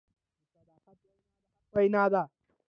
د صداقت وینا د حق وینا ده.